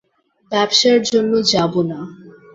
ব্যবসার জন্য যাবো না।